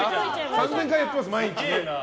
３０００回やってます。